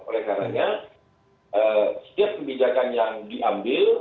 oleh karena setiap kebijakan yang diambil